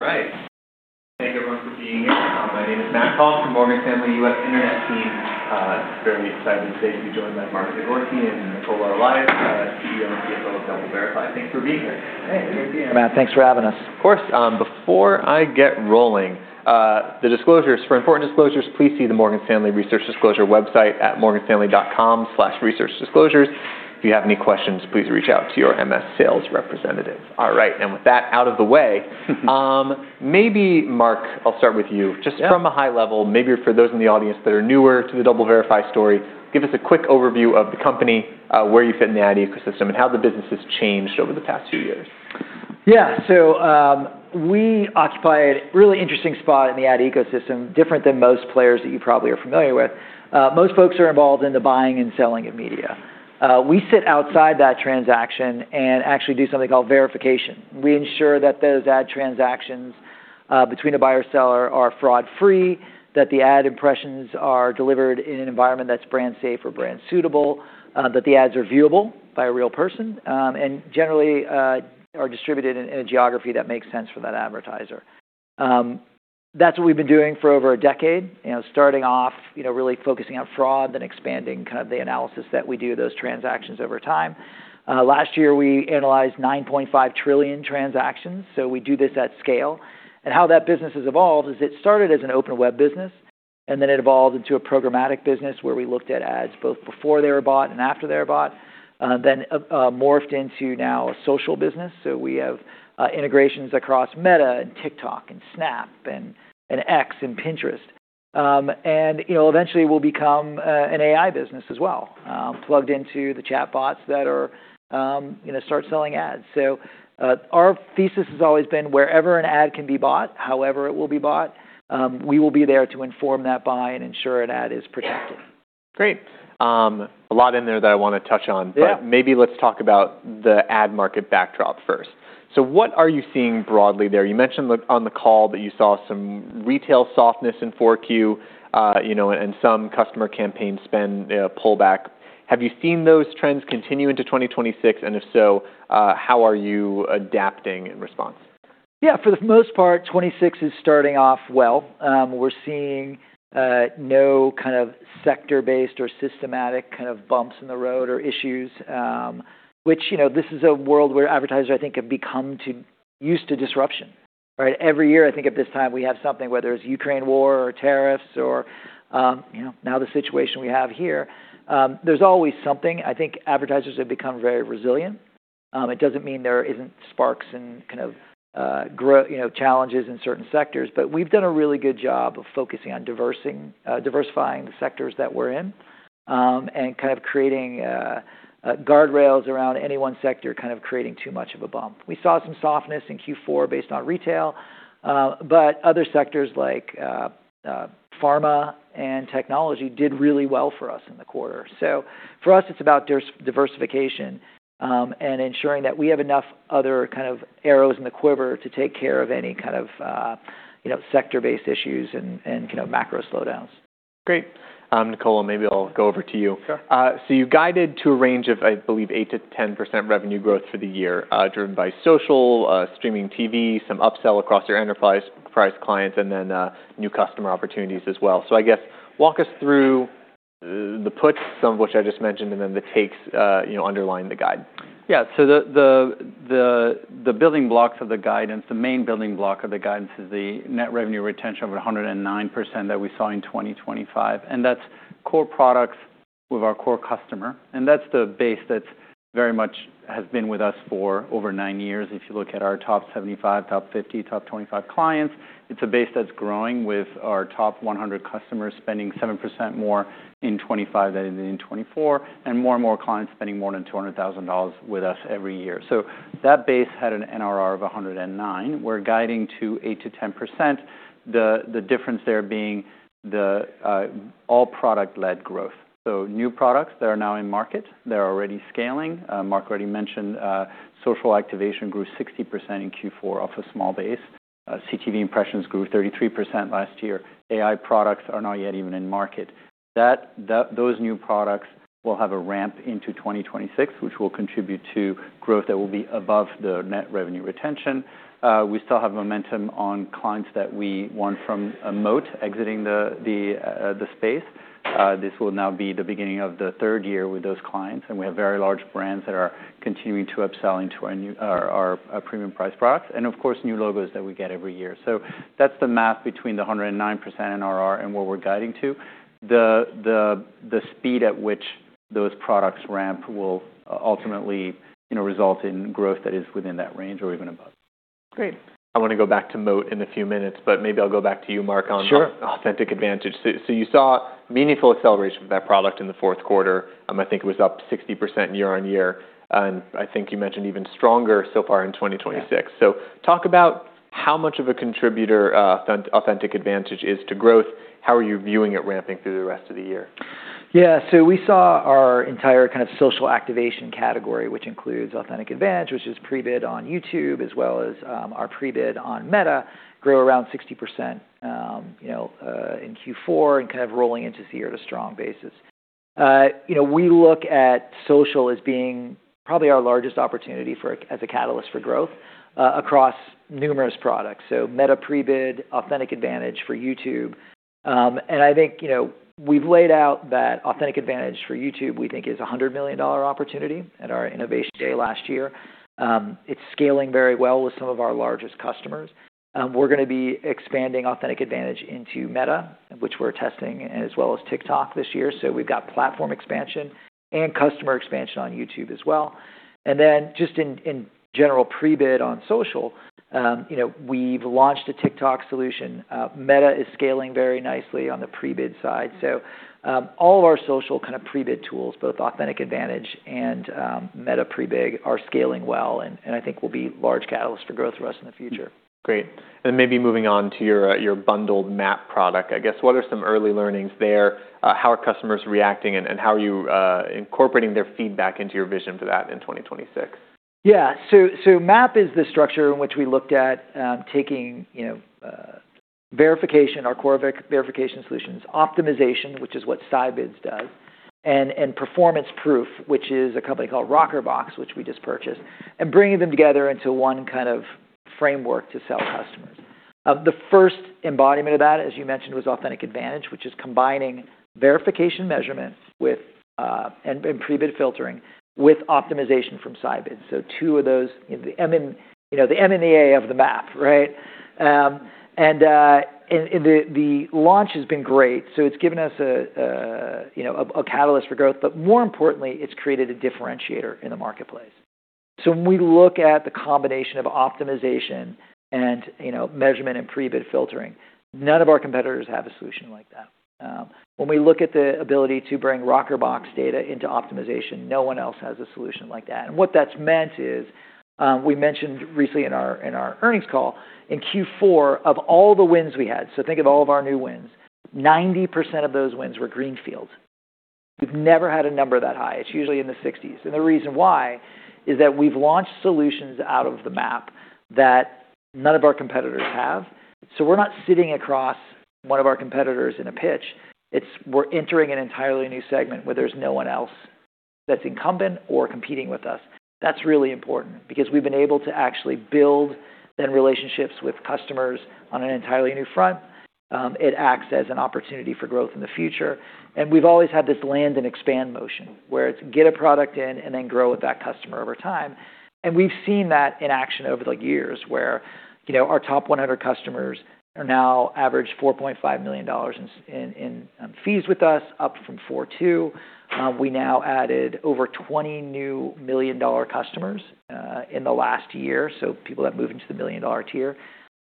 Right. Thank you, everyone, for being here. My name is Matt Falk from Morgan Stanley U.S. Internet Team. Very excited today to be joined by Mark Zagorski and Nicola Allais, CEO and CFO of DoubleVerify. Thanks for being here. Hey, great to be here. Matt, thanks for having us. Of course. Before I get rolling, the disclosures. For important disclosures, please see the Morgan Stanley Research Disclosure website at morganstanley.com/researchdisclosures. If you have any questions, please reach out to your MS sales representative. All right. With that out of the way, maybe, Mark, I'll start with you. Yeah. Just from a high level, maybe for those in the audience that are newer to the DoubleVerify story, give us a quick overview of the company, where you fit in the ad ecosystem, and how the business has changed over the past two years. We occupy a really interesting spot in the ad ecosystem, different than most players that you probably are familiar with. Most folks are involved in the buying and selling of media. We sit outside that transaction and actually do something called verification. We ensure that those ad transactions between a buyer-seller are fraud-free, that the ad impressions are delivered in an environment that's brand safe or brand suitable, that the ads are viewable by a real person, and generally are distributed in a geography that makes sense for that advertiser. That's what we've been doing for over a decade. You know, starting off, you know, really focusing on fraud, then expanding kind of the analysis that we do those transactions over time. Last year, we analyzed 9.5 trillion transactions, so we do this at scale. How that business has evolved is it started as an open web business, and then it evolved into a programmatic business where we looked at ads both before they were bought and after they were bought. morphed into now a social business, so we have integrations across Meta and TikTok and Snap and X and Pinterest. you know, eventually we'll become an AI business as well, plugged into the chatbots that are gonna start selling ads. Our thesis has always been wherever an ad can be bought, however it will be bought, we will be there to inform that buy and ensure an ad is protected. Great. A lot in there that I wanna touch on. Yeah. Maybe let's talk about the ad market backdrop first. What are you seeing broadly there? You mentioned on the call that you saw some retail softness in 4Q, you know, and some customer campaign spend pullback. Have you seen those trends continue into 2026? If so, how are you adapting in response? For the most part, 2026 is starting off well. We're seeing no kind of sector-based or systematic kind of bumps in the road or issues, which, you know, this is a world where advertisers, I think, have become used to disruption, right? Every year, I think at this time, we have something, whether it's Ukraine war or tariffs or, you know, now the situation we have here. There's always something. I think advertisers have become very resilient. It doesn't mean there isn't sparks and kind of, you know, challenges in certain sectors. We've done a really good job of focusing on diversifying the sectors that we're in, and kind of creating guardrails around any one sector kind of creating too much of a bump. We saw some softness in Q4 based on retail, but other sectors like pharma and technology did really well for us in the quarter. For us, it's about diversification, and ensuring that we have enough other kind of arrows in the quiver to take care of any kind of, you know, sector-based issues and, you know, macro slowdowns. Great. Nicola, maybe I'll go over to you. Sure. You guided to a range of, I believe, 8%-10% revenue growth for the year, driven by social, streaming TV, some upsell across your enterprise, price clients, and then, new customer opportunities as well. I guess walk us through the puts, some of which I just mentioned, and then the takes, you know, underlying the guide. Yeah. The building blocks of the guidance, the main building block of the guidance is the net revenue retention of 109% that we saw in 2025, and that's core products with our core customer, and that's the base that's very much has been with us for over 9 years. If you look at our top 75, top 50, top 25 clients, it's a base that's growing with our top 100 customers spending 7% more in 2025 than in 2024, and more and more clients spending more than $200,000 with us every year. That base had an NRR of 109%. We're guiding to 8%-10%. The difference there being the all product-led growth. New products that are now in market, they're already scaling. Mark already mentioned, social activation grew 60% in Q4 off a small base. CTV impressions grew 33% last year. AI products are not yet even in market. Those new products will have a ramp into 2026, which will contribute to growth that will be above the net revenue retention. We still have momentum on clients that we won from Moat exiting the, the space. This will now be the beginning of the third year with those clients, and we have very large brands that are continuing to upsell into our premium price products, and of course, new logos that we get every year. That's the math between the 109% NRR and what we're guiding to. The speed at which those products ramp will ultimately, you know, result in growth that is within that range or even above. Great. I wanna go back to Moat in a few minutes. Maybe I'll go back to you, Mark. Sure. Authentic AdVantage. You saw meaningful acceleration with that product in the Q4. I think it was up 60% year-on-year, and I think you mentioned even stronger so far in 2026. Yeah. Talk about how much of a contributor, Authentic AdVantage is to growth. How are you viewing it ramping through the rest of the year? Yeah. We saw our entire kind of social activation category, which includes Authentic AdVantage, which is pre-bid on YouTube, as well as our pre-bid on Meta, grow around 60%, you know, in Q4 and kind of rolling into zero to strong basis. You know, we look at social as being probably our largest opportunity for as a catalyst for growth across numerous products. Meta pre-bid, Authentic AdVantage for YouTube. And I think, you know, we've laid out that Authentic AdVantage for YouTube, we think is a $100 million opportunity at our innovation day last year. It's scaling very well with some of our largest customers. We're gonna be expanding Authentic AdVantage into Meta, which we're testing, as well as TikTok this year. We've got platform expansion and customer expansion on YouTube as well. Just in general pre-bid on social, you know, we've launched a TikTok solution. Meta is scaling very nicely on the pre-bid side. All of our social kind of pre-bid tools, both Authentic AdVantage and Meta pre-bid are scaling well and I think will be large catalyst for growth for us in the future. Great. Maybe moving on to your bundled MAP product, I guess, what are some early learnings there? How are customers reacting and how are you incorporating their feedback into your vision for that in 2026? MAP is the structure in which we looked at, taking, you know, verification, our core verification solutions, optimization, which is what Scibids does, and performance proof, which is a company called Rockerbox, which we just purchased, and bringing them together into one kind of framework to sell customers. The first embodiment of that, as you mentioned, was Authentic AdVantage, which is combining verification measurements with, and pre-bid filtering with optimization from Scibids. Two of those in the M and, you know, the M and the A of the MAP, right? The launch has been great, so it's given us, you know, a catalyst for growth. More importantly, it's created a differentiator in the marketplace. When we look at the combination of optimization and, you know, measurement and pre-bid filtering, none of our competitors have a solution like that. When we look at the ability to bring Rockerbox data into optimization, no one else has a solution like that. What that's meant is, we mentioned recently in our, in our earnings call, in Q4, of all the wins we had, so think of all of our new wins, 90% of those wins were greenfields. We've never had a number that high. It's usually in the sixties. The reason why is that we've launched solutions out of the MAP that none of our competitors have. We're not sitting across one of our competitors in a pitch. We're entering an entirely new segment where there's no one else that's incumbent or competing with us. That's really important because we've been able to actually build then relationships with customers on an entirely new front. It acts as an opportunity for growth in the future, we've always had this land and expand motion where it's get a product in and then grow with that customer over time. We've seen that in action over the years where, you know, our top 100 customers are now average $4.5 million in fees with us, up from 4.2. We now added over 20 new million-dollar customers in the last year, so people have moved into the million-dollar tier.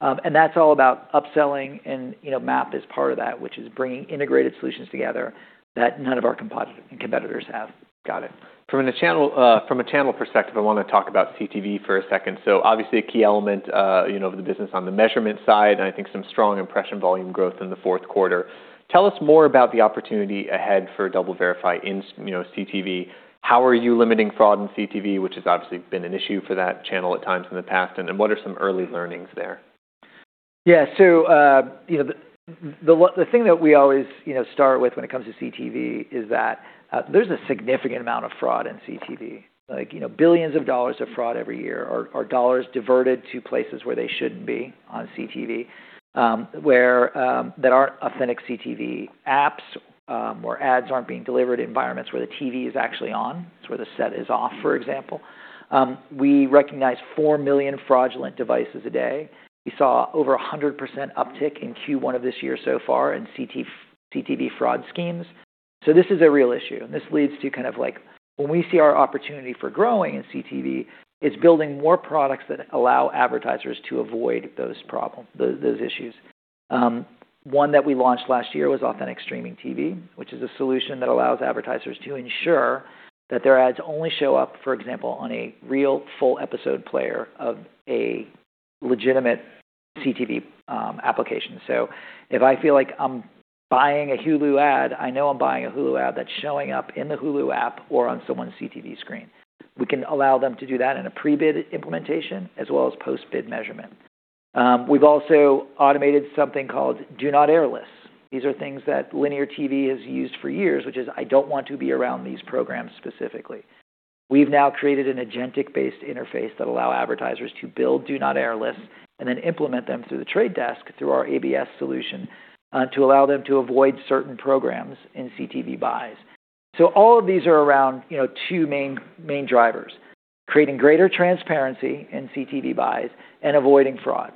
That's all about upselling and, you know, MAP is part of that, which is bringing integrated solutions together that none of our competitors have. Got it. From the channel, from a channel perspective, I wanna talk about CTV for a second. obviously a key element, you know, of the business on the measurement side, and I think some strong impression volume growth in the Q4. Tell us more about the opportunity ahead for DoubleVerify in you know, CTV. How are you limiting fraud in CTV, which has obviously been an issue for that channel at times in the past, and what are some early learnings there? Yeah. The thing that we always, you know, start with when it comes to CTV is that there's a significant amount of fraud in CTV. Like, you know, billions of dollars of fraud every year are dollars diverted to places where they shouldn't be on CTV, where that aren't authentic CTV apps, where ads aren't being delivered in environments where the TV is actually on. It's where the set is off, for example. We recognize 4 million fraudulent devices a day. We saw over a 100% uptick in Q1 of this year so far in CTV fraud schemes. This is a real issue, and this leads to kind of like when we see our opportunity for growing in CTV, it's building more products that allow advertisers to avoid those problems, those issues. One that we launched last year was Authentic Streaming TV, which is a solution that allows advertisers to ensure that their ads only show up, for example, on a real full episode player of a legitimate CTV application. If I feel like I'm buying a Hulu ad, I know I'm buying a Hulu ad that's showing up in the Hulu app or on someone's CTV screen. We can allow them to do that in a pre-bid implementation as well as post-bid measurement. We've also automated something called Do-Not-Air Lists. These are things that linear TV has used for years, which is I don't want to be around these programs specifically. We've now created an agentic-based interface that allow advertisers to build do not air lists and then implement them through The Trade Desk, through our ABS solution, to allow them to avoid certain programs in CTV buys. All of these are around, you know, two main drivers: creating greater transparency in CTV buys and avoiding fraud.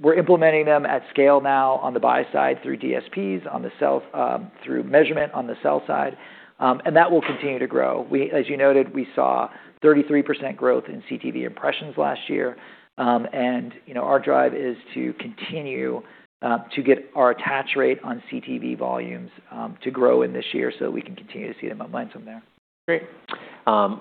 We're implementing them at scale now on the buy side through DSPs, through measurement on the sell side, and that will continue to grow. As you noted, we saw 33% growth in CTV impressions last year. And, you know, our drive is to continue to get our attach rate on CTV volumes to grow in this year so that we can continue to see the momentum there. Great.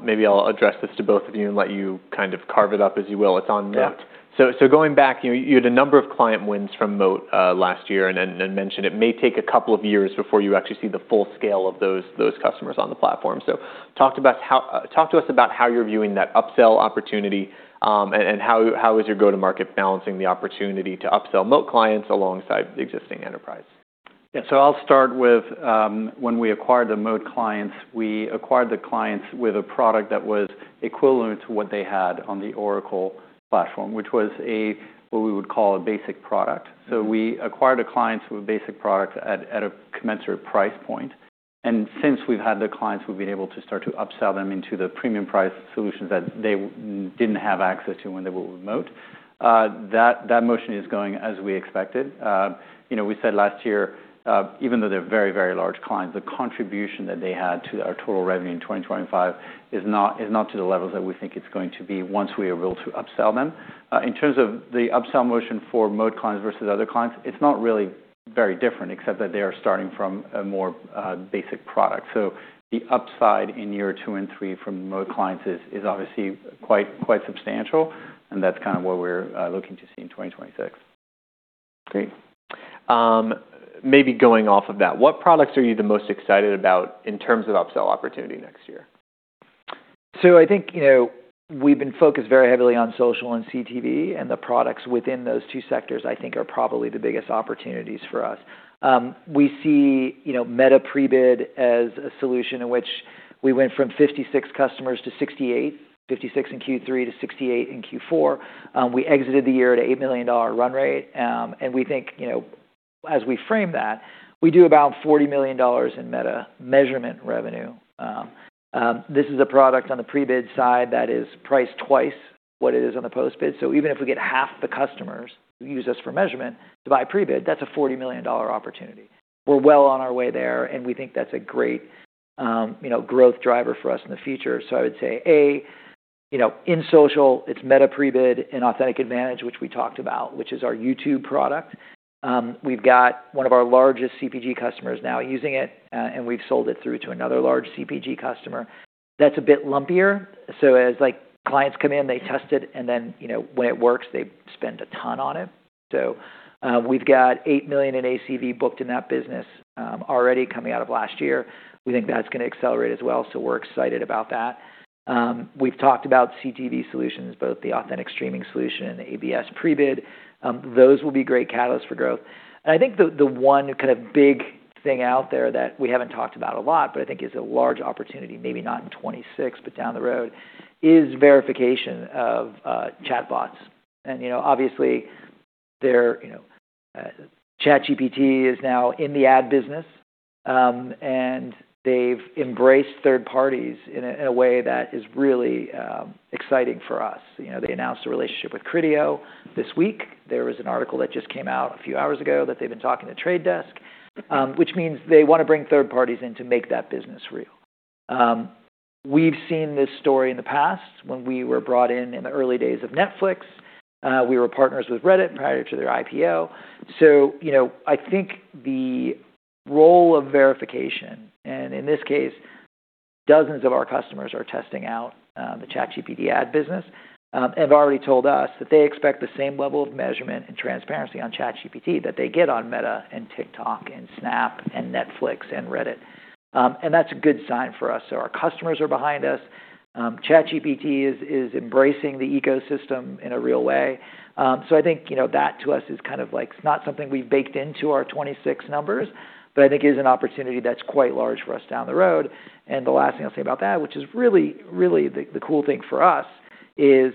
Maybe I'll address this to both of you and let you kind of carve it up as you will. It's on Moat. Yeah. Going back, you know, you had a number of client wins from Moat last year and mentioned it may take a couple of years before you actually see the full scale of those customers on the platform. Talk to us about how you're viewing that upsell opportunity and how is your go-to-market balancing the opportunity to upsell Moat clients alongside the existing enterprise? I'll start with when we acquired the Moat clients, we acquired the clients with a product that was equivalent to what they had on the Oracle platform, which was a basic product. We acquired the clients with basic products at a commensurate price point. Since we've had the clients, we've been able to start to upsell them into the premium price solutions that they didn't have access to when they were with Moat. That motion is going as we expected. You know, we said last year, even though they're very, very large clients, the contribution that they had to our total revenue in 2025 is not to the levels that we think it's going to be once we are able to upsell them. In terms of the upsell motion for Moat clients versus other clients, it's not really very different except that they are starting from a more basic product. The upside in year 2 and 3 from Moat clients is obviously quite substantial, and that's kind of what we're looking to see in 2026. Great. maybe going off of that, what products are you the most excited about in terms of upsell opportunity next year? I think, you know, we've been focused very heavily on social and CTV, and the products within those two sectors I think are probably the biggest opportunities for us. We see, you know, Meta pre-bid as a solution in which we went from 56 customers to 68, 56 in Q3 to 68 in Q4. We exited the year at $8 million run rate. And we think, you know, as we frame that, we do about $40 million in Meta measurement revenue. This is a product on the pre-bid side that is priced twice what it is on the post-bid. Even if we get half the customers who use us for measurement to buy pre-bid, that's a $40 million opportunity. We're well on our way there, we think that's a great, you know, growth driver for us in the future. I would say, A, you know, in social, it's Meta pre-bid and Authentic AdVantage, which we talked about, which is our YouTube product. We've got one of our largest CPG customers now using it, and we've sold it through to another large CPG customer. That's a bit lumpier. As, like, clients come in, they test it, and then, you know, when it works, they spend a ton on it. We've got $8 million in ACV booked in that business already coming out of last year. We think that's gonna accelerate as well, so we're excited about that. We've talked about CTV solutions, both the Authentic Streaming TV and the ABS pre-bid. Those will be great catalysts for growth. I think the one kind of big thing out there that we haven't talked about a lot, but I think is a large opportunity, maybe not in 2026, but down the road, is verification of chatbots. You know, obviously, they're, you know, ChatGPT is now in the ad business, and they've embraced third parties in a, in a way that is really exciting for us. You know, they announced a relationship with Criteo this week. There was an article that just came out a few hours ago that they've been talking to Trade Desk, which means they wanna bring third parties in to make that business real. We've seen this story in the past when we were brought in in the early days of Netflix. We were partners with Reddit prior to their IPO. You know, I think the role of verification, and in this case, dozens of our customers are testing out the ChatGPT ad business, have already told us that they expect the same level of measurement and transparency on ChatGPT that they get on Meta and TikTok and Snap and Netflix and Reddit. That's a good sign for us. Our customers are behind us. ChatGPT is embracing the ecosystem in a real way. I think, you know, that to us is kind of like not something we've baked into our 26 numbers, but I think is an opportunity that's quite large for us down the road. The last thing I'll say about that, which is really the cool thing for us, is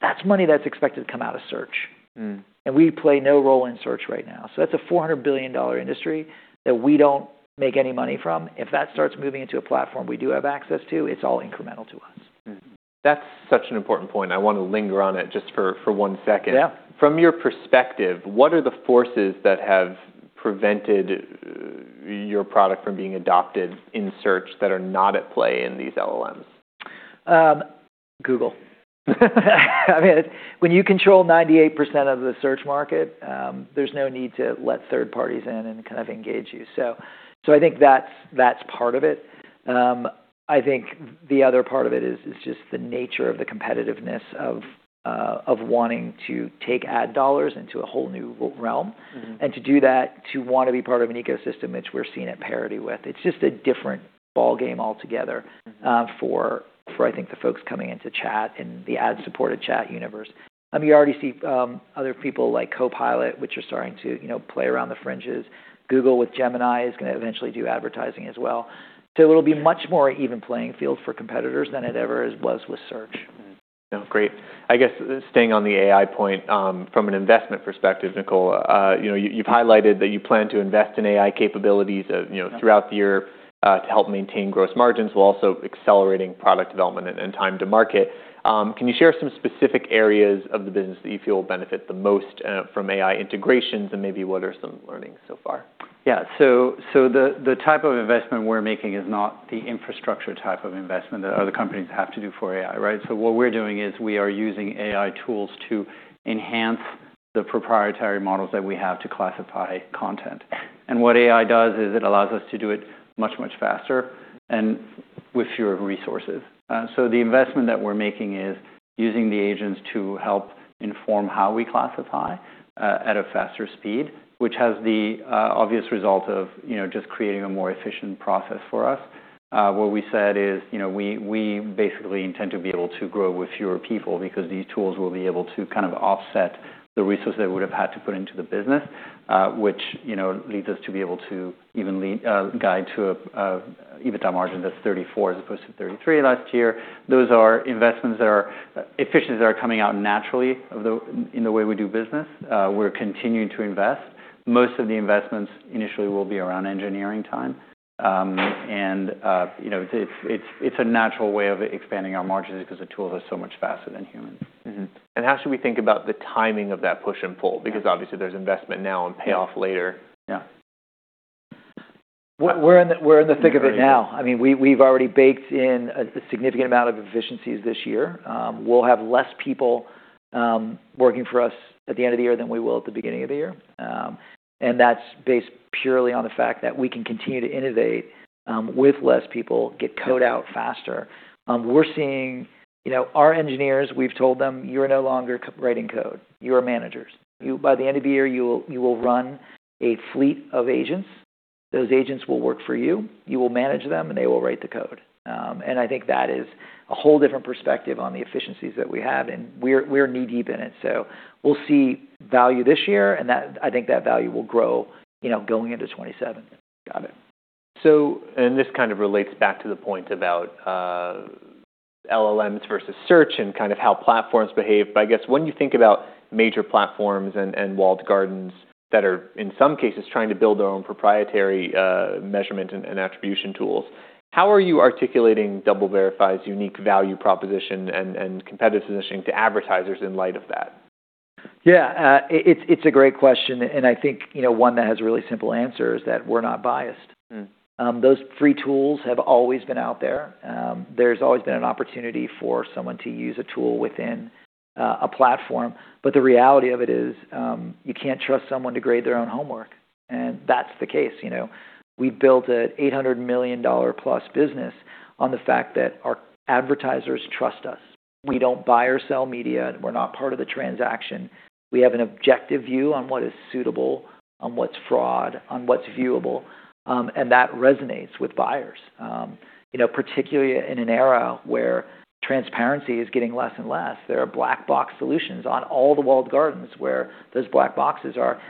that's money that's expected to come out of search. Mm. we play no role in search right now. That's a $400 billion industry that we don't make any money from. If that starts moving into a platform we do have access to, it's all incremental to us. That's such an important point. I wanna linger on it just for one second. Yeah. From your perspective, what are the forces that have prevented your product from being adopted in search that are not at play in these LLMs? Google. I mean, when you control 98% of the search market, there's no need to let third parties in and kind of engage you. I think that's part of it. I think the other part of it is just the nature of the competitiveness of wanting to take ad dollars into a whole new realm. Mm-hmm. To do that, to wanna be part of an ecosystem which we're seen at parity with. It's just a different ballgame altogether. Mm-hmm for I think the folks coming into chat and the ad-supported chat universe. You already see, other people like Copilot, which are starting to, you know, play around the fringes. Google with Gemini is gonna eventually do advertising as well. It'll be much more even playing field for competitors than it ever was with search. Great. I guess staying on the AI point, from an investment perspective, Nicola, you know, you've highlighted that you plan to invest in AI capabilities, you know, throughout the year, to help maintain gross margins while also accelerating product development and time to market. Can you share some specific areas of the business that you feel will benefit the most from AI integrations, and maybe what are some learnings so far? Yeah. The type of investment we're making is not the infrastructure type of investment that other companies have to do for AI, right? What we're doing is we are using AI tools to. The proprietary models that we have to classify content. What AI does is it allows us to do it much, much faster and with fewer resources. The investment that we're making is using the agents to help inform how we classify at a faster speed, which has the obvious result of, you know, just creating a more efficient process for us. What we said is, you know, we basically intend to be able to grow with fewer people because these tools will be able to kind of offset the resources they would have had to put into the business, which, you know, leads us to be able to evenly guide to an EBITDA margin that's 34% as opposed to 33% last year. Those are investments that are efficiencies that are coming out naturally of the way we do business. We're continuing to invest. Most of the investments initially will be around engineering time. You know, it's a natural way of expanding our margins because the tool is so much faster than humans. Mm-hmm. How should we think about the timing of that push and pull? Because obviously there's investment now and payoff later. Yeah. We're in the thick of it now. I mean, we've already baked in a significant amount of efficiencies this year. We'll have less people working for us at the end of the year than we will at the beginning of the year. That's based purely on the fact that we can continue to innovate with less people, get code out faster. We're seeing, you know, our engineers, we've told them, "You're no longer writing code. You are managers. By the end of the year, you will run a fleet of agents. Those agents will work for you. You will manage them, and they will write the code." I think that is a whole different perspective on the efficiencies that we have, and we're knee-deep in it. We'll see value this year, and I think that value will grow, you know, going into 2027. Got it. And this kind of relates back to the point about LLMs versus search and kind of how platforms behave. I guess when you think about major platforms and walled gardens that are, in some cases, trying to build their own proprietary measurement and attribution tools, how are you articulating DoubleVerify's unique value proposition and competitive positioning to advertisers in light of that? Yeah. It's, it's a great question, and I think, you know, one that has a really simple answer is that we're not biased. Mm. Those free tools have always been out there. There's always been an opportunity for someone to use a tool within a platform. But the reality of it is, you can't trust someone to grade their own homework, and that's the case, you know. We built an $800 million plus business on the fact that our advertisers trust us. We don't buy or sell media, and we're not part of the transaction. We have an objective view on what is suitable, on what's fraud, on what's viewable, and that resonates with buyers. You know, particularly in an era where transparency is getting less and less. There are black box solutions on all the walled gardens where those black boxes are,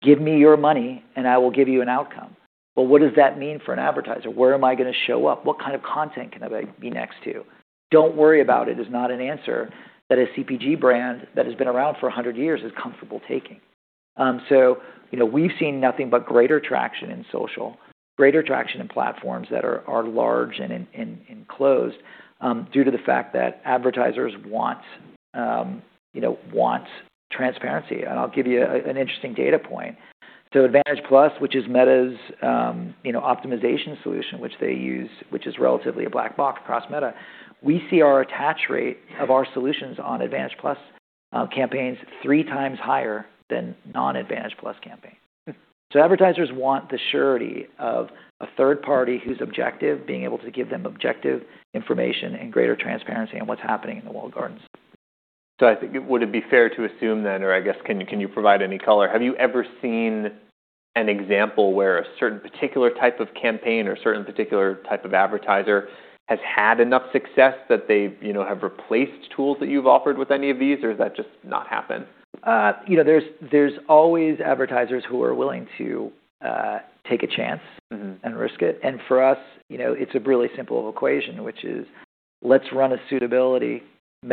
"Give me your money, and I will give you an outcome." But what does that mean for an advertiser? Where am I gonna show up? What kind of content can I be next to? "Don't worry about it," is not an answer that a CPG brand that has been around for 100 years is comfortable taking. You know, we've seen nothing but greater traction in social, greater traction in platforms that are large and in, enclosed, due to the fact that advertisers want, you know, want transparency. I'll give you a, an interesting data point. Advantage+, which is Meta's, you know, optimization solution, which they use, which is relatively a black box across Meta, we see our attach rate of our solutions on Advantage+ campaigns three times higher than non-Advantage+ campaigns. Advertisers want the surety of a third party who's objective being able to give them objective information and greater transparency on what's happening in the walled gardens. I think would it be fair to assume then, or I guess, can you provide any color? Have you ever seen an example where a certain particular type of campaign or certain particular type of advertiser has had enough success that they've, you know, have replaced tools that you've offered with any of these, or does that just not happen? You know, there's always advertisers who are willing to take a chance- Mm-hmm -and risk it. For us, you know, it's a really simple equation, which is let's run a suitability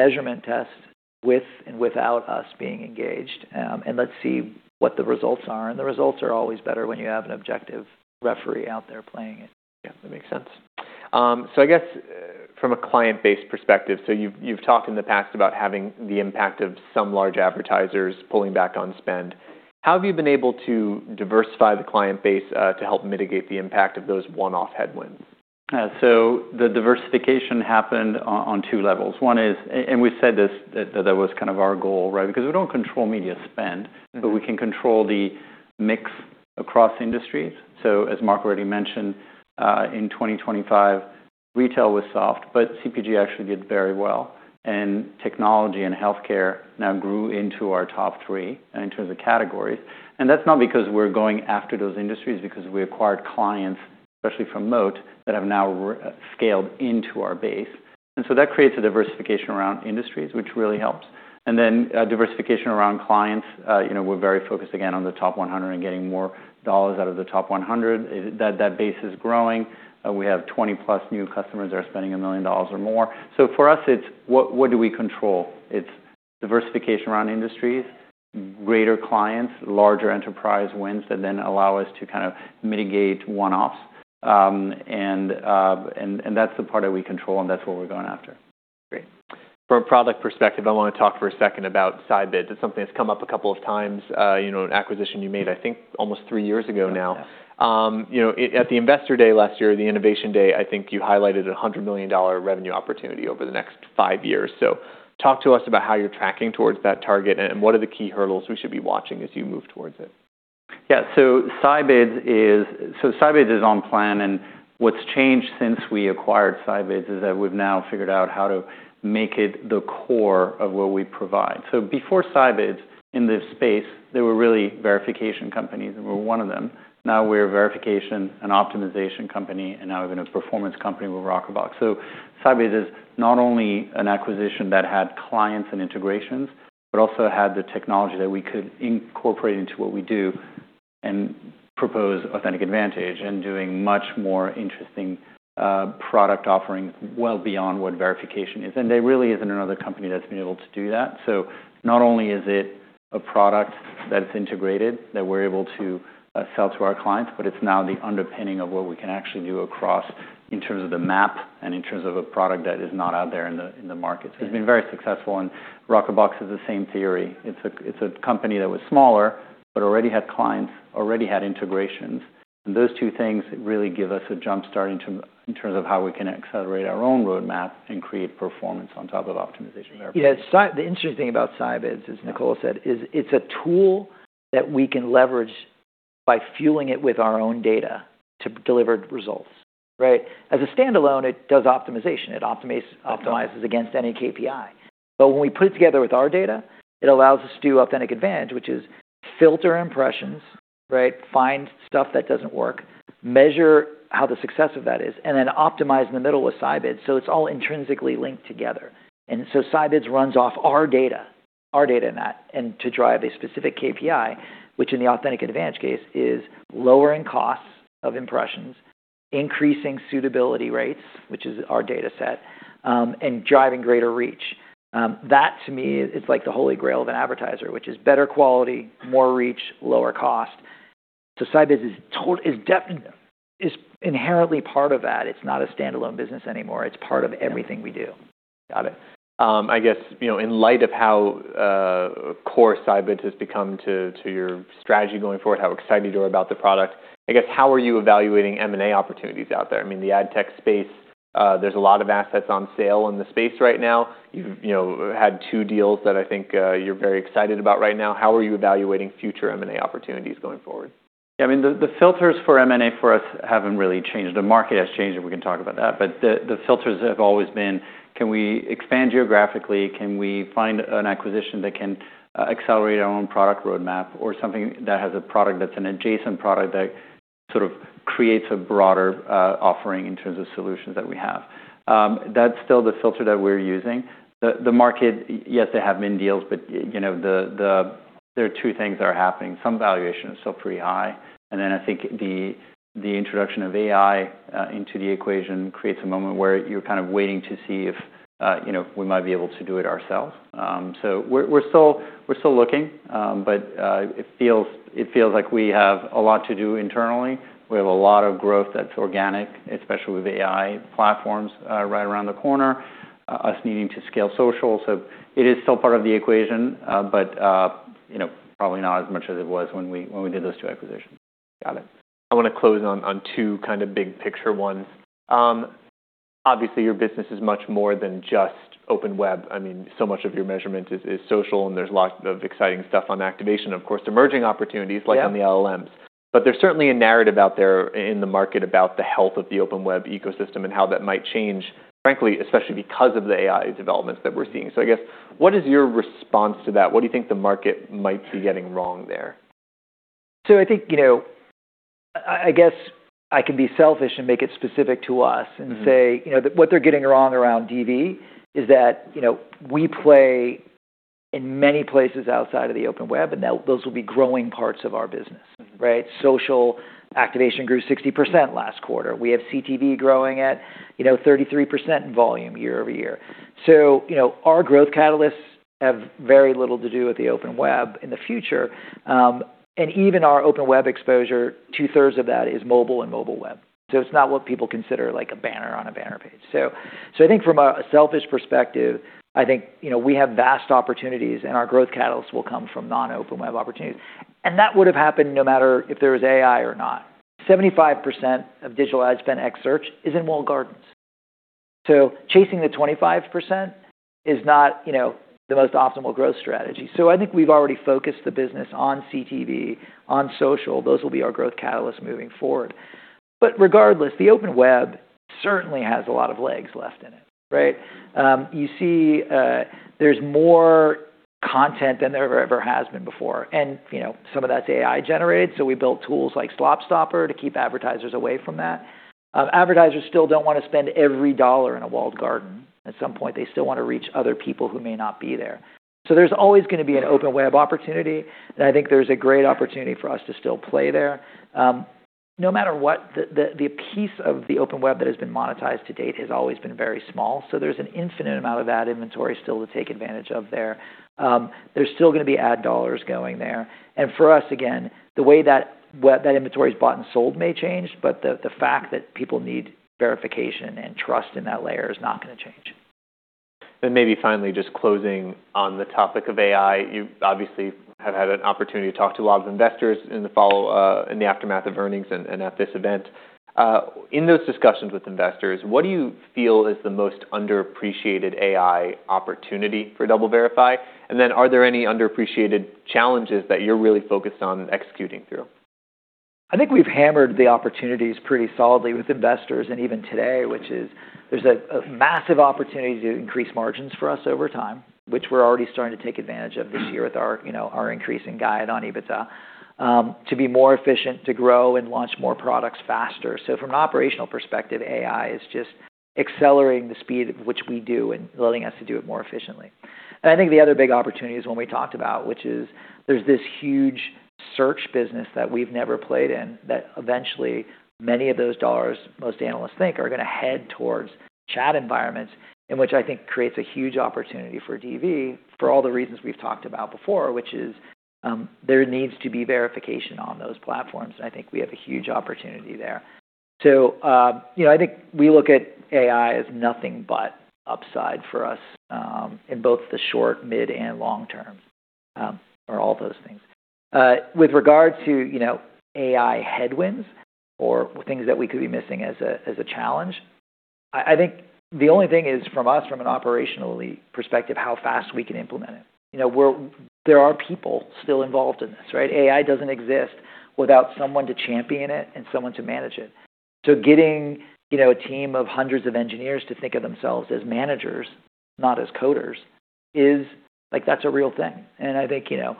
measurement test with and without us being engaged, and let's see what the results are. The results are always better when you have an objective referee out there playing it. Yeah, that makes sense. I guess from a client base perspective, you've talked in the past about having the impact of some large advertisers pulling back on spend. How have you been able to diversify the client base to help mitigate the impact of those one-off headwinds? The diversification happened on two levels. One is, and we said this, that that was kind of our goal, right? Because we don't control media spend- Mm-hmm -we can control the mix across industries. As Mark already mentioned, in 2025, retail was soft, CPG actually did very well. Technology and healthcare now grew into our top 3 in terms of categories. That's not because we're going after those industries, because we acquired clients, especially from Moat, that have now scaled into our base. That creates a diversification around industries, which really helps. Diversification around clients, you know, we're very focused again on the top 100 and getting more dollars out of the top 100. That base is growing. We have 20-plus new customers that are spending $1 million or more. For us, it's what do we control? It's diversification around industries, greater clients, larger enterprise wins that then allow us to kind of mitigate one-offs. That's the part that we control, and that's what we're going after. Great. From a product perspective, I wanna talk for a second about Scibids. It's something that's come up a couple of times, you know, an acquisition you made, I think almost three years ago now. Yes. You know, at the Investor Day last year, the Innovation Day, I think you highlighted a $100 million revenue opportunity over the next 5 years. Talk to us about how you're tracking towards that target and what are the key hurdles we should be watching as you move towards it? Yeah. Scibids is on plan, and what's changed since we acquired Scibids is that we've now figured out how to make it the core of what we provide. Before Scibids in this space, there were really verification companies, and we're one of them. Now we're a verification and optimization company, and now we're gonna performance company with Rockerbox. Scibids is not only an acquisition that had clients and integrations, but also had the technology that we could incorporate into what we do and propose Authentic AdVantage and doing much more interesting product offering well beyond what verification is. There really isn't another company that's been able to do that. Not only is it a product that's integrated that we're able to sell to our clients, but it's now the underpinning of what we can actually do across in terms of the map and in terms of a product that is not out there in the market. It's been very successful. Rockerbox is the same theory. It's a company that was smaller but already had clients, already had integrations. Those 2 things really give us a jump-starting to, in terms of how we can accelerate our own roadmap and create performance on top of optimization. The interesting thing about Scibids, as Nicola said, is it's a tool that we can leverage by fueling it with our own data to deliver results, right? As a standalone, it does optimization- That's right. -it optimizes against any KPI. When we put it together with our data, it allows us to do Authentic AdVantage, which is filter impressions, right, find stuff that doesn't work, measure how the success of that is, and then optimize in the middle with Scibids so it's all intrinsically linked together. Scibids runs off our data, our data in that, and to drive a specific KPI, which in the Authentic AdVantage case is lowering costs of impressions, increasing suitability rates, which is our dataset, and driving greater reach. That to me is like the holy grail of an advertiser, which is better quality, more reach, lower cost. Scibids is inherently part of that. It's not a standalone business anymore. It's part of everything we do. Got it. I guess, you know, in light of how core Scibids has become to your strategy going forward, how excited you are about the product, I guess, how are you evaluating M&A opportunities out there? I mean, the ad tech space, there's a lot of assets on sale in the space right now. You've, you know, had 2 deals that I think you're very excited about right now. How are you evaluating future M&A opportunities going forward? Yeah. I mean, the filters for M&A for us haven't really changed. The market has changed, and we can talk about that. The filters have always been, can we expand geographically? Can we find an acquisition that can accelerate our own product roadmap or something that has a product that's an adjacent product that sort of creates a broader offering in terms of solutions that we have? That's still the filter that we're using. The market, yes, there have been deals, but, you know, the two things that are happening. Some valuation is still pretty high, and then I think the introduction of AI into the equation creates a moment where you're kind of waiting to see if, you know, we might be able to do it ourselves. We're still looking, but it feels like we have a lot to do internally. We have a lot of growth that's organic, especially with AI platforms right around the corner, us needing to scale social. It is still part of the equation, but, you know, probably not as much as it was when we did those two acquisitions. Got it. I wanna close on two kinda big picture ones. Obviously, your business is much more than just open web. I mean, so much of your measurement is social, and there's lots of exciting stuff on activation, of course, emerging opportunities- Yeah -like on the LLMs. There's certainly a narrative out there in the market about the health of the open web ecosystem and how that might change, frankly, especially because of the AI developments that we're seeing. I guess what is your response to that? What do you think the market might be getting wrong there? I think, you know, I guess I can be selfish and make it specific to us- Mm-hmm -say, you know, what they're getting wrong around DV is that, you know, we play in many places outside of the open web, and that those will be growing parts of our business, right? Social Activation grew 60% last quarter. We have CTV growing at, you know, 33% in volume year-over-year. Our growth catalysts have very little to do with the open web in the future. Even our open web exposure, two-thirds of that is mobile and mobile web. It's not what people consider like a banner on a banner page. I think from a selfish perspective, I think, you know, we have vast opportunities, and our growth catalyst will come from non-open web opportunities. That would have happened no matter if there was AI or not. 75% of digital ad spend x search is in walled gardens. Chasing the 25% is not, you know, the most optimal growth strategy. I think we've already focused the business on CTV, on social. Those will be our growth catalyst moving forward. Regardless, the open web certainly has a lot of legs left in it, right? You see, there's more content than there ever has been before. You know, some of that's AI-generated, so we built tools like SlopStopper to keep advertisers away from that. Advertisers still don't wanna spend every dollar in a walled garden. At some point, they still wanna reach other people who may not be there. There's always gonna be an open web opportunity, and I think there's a great opportunity for us to still play there. No matter what, the piece of the open web that has been monetized to date has always been very small. There's an infinite amount of ad inventory still to take advantage of there. There's still gonna be ad dollars going there. For us, again, the way that inventory is bought and sold may change, but the fact that people need verification and trust in that layer is not gonna change. Maybe finally just closing on the topic of AI. You obviously have had an opportunity to talk to a lot of investors in the follow, in the aftermath of earnings and at this event. In those discussions with investors, what do you feel is the most underappreciated AI opportunity for DoubleVerify? Are there any underappreciated challenges that you're really focused on executing through? I think we've hammered the opportunities pretty solidly with investors and even today, which is there's a massive opportunity to increase margins for us over time, which we're already starting to take advantage of this year with our, you know, our increase in guide on EBITDA to be more efficient, to grow and launch more products faster. From an operational perspective, AI is just accelerating the speed at which we do and allowing us to do it more efficiently. I think the other big opportunity is one we talked about, which is there's this huge search business that we've never played in that eventually many of those dollars, most analysts think, are gonna head towards chat environments, and which I think creates a huge opportunity for DV for all the reasons we've talked about before, which is, there needs to be verification on those platforms, and I think we have a huge opportunity there. You know, I think we look at AI as nothing but upside for us, in both the short, mid, and long term, or all those things. With regard to, you know, AI headwinds or things that we could be missing as a challenge, I think the only thing is from us from an operationally perspective, how fast we can implement it. You know, there are people still involved in this, right? AI doesn't exist without someone to champion it and someone to manage it. Getting, you know, a team of hundreds of engineers to think of themselves as managers, not as coders, is. Like, that's a real thing. I think, you know,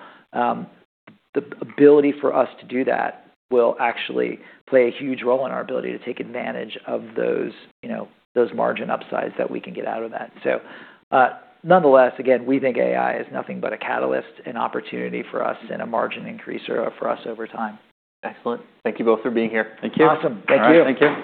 the ability for us to do that will actually play a huge role in our ability to take advantage of those, you know, those margin upsides that we can get out of that. Nonetheless, again, we think AI is nothing but a catalyst and opportunity for us and a margin increaser for us over time. Excellent. Thank you both for being here. Thank you. Awesome. Thank you. All right. Thank you.